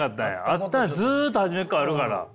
あったずっと初めからあるから。